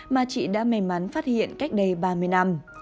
mà chị đã may mắn phát hiện cách đây ba mươi năm